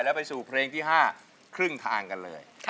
แล้วไปสู่เพลงที่๕ครึ่งทางกันเลย